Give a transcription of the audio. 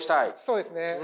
そうですね。